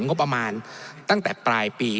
งบประมาณตั้งแต่ปลายปี